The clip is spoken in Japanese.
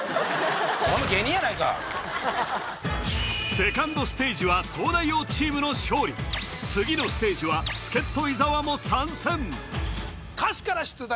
セカンドステージは東大王チームの勝利次のステージは助っ人伊沢も参戦歌詞から出題！